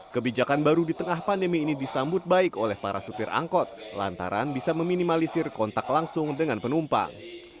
kebijakan baru di tengah pandemi ini disambut baik oleh para supir angkot lantaran bisa meminimalisir kontak langsung dengan penumpang